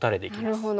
なるほど。